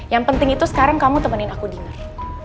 yang penting itu sekarang kamu temenin aku dinner